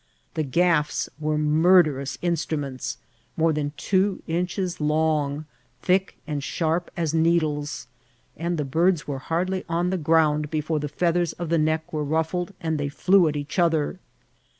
The gafis were murderous instruments, more than two inches long, thick, and sharp as needles, and the. birds were hardly on the ground before the feathers of the neck were ruffled and they flew at each other.